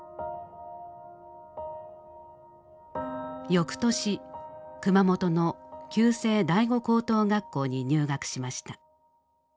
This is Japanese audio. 翌年熊本の旧制第五高等学校に入学しました。